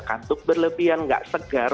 kantuk berlebihan nggak segar